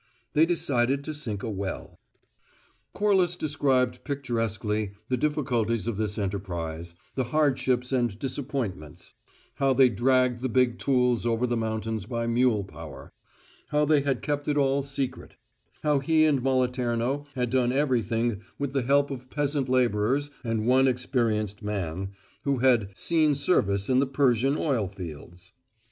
They decided to sink a well. Corliss described picturesquely the difficulties of this enterprise, the hardships and disappointments; how they dragged the big tools over the mountains by mule power; how they had kept it all secret; how he and Moliterno had done everything with the help of peasant labourers and one experienced man, who had "seen service in the Persian oil fields."